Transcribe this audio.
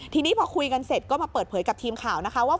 ทีนี้พอคุยกันเสร็จก็มาเปิดเผยกับทีมข่าวนะคะว่า